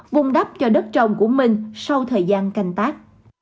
vùng đắp cho đất trồng của mình sau thời gian canh tác